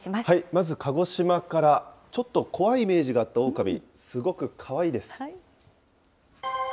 まず鹿児島から、ちょっと怖いイメージがあったオオカミ、すごくかわいいです。